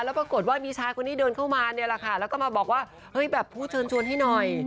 แล้วปรากฏว่ามีชายคนนี้เดินเข้ามาเนี่ยแหละค่ะแล้วก็มาบอกว่าเฮ้ยแบบพูดเชิญชวนให้หน่อย